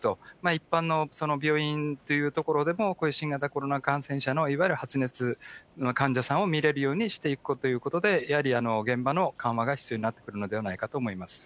一般の病院というところでも、こういう新型コロナ感染者のいわゆる発熱の患者さんを診れるようにしていくということで、やはり現場の緩和が必要になってくるのではないかと思います。